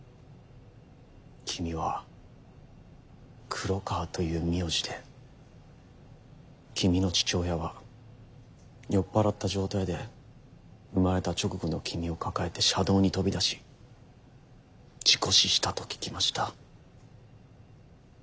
君は黒川という名字で君の父親は酔っ払った状態で生まれた直後の君を抱えて車道に飛び出し事故死したと聞きました。